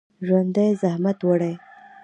ژوندي زحمت وړي